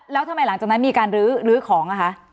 แล้วทำไมหลังจากนั้นมีการลื้อของอ่ะคะ